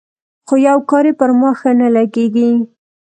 خو يو کار يې پر ما ښه نه لګېږي.